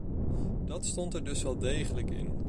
Dat stond er dus wel degelijk in.